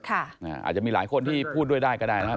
อาจจะมีหลายคนที่พูดด้วยได้ก็ได้นะครับ